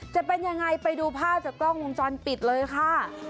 จะเป็นยังไงไปดูภาพจากกล้องวงจรปิดเลยค่ะ